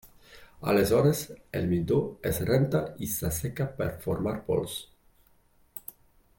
Aleshores el midó es renta i s'asseca per formar pols.